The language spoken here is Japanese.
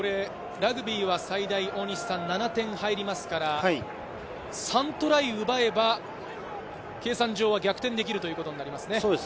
ラグビーは最大７点が入りますから、３トライ奪えば、計算上は逆転できるということになりますね。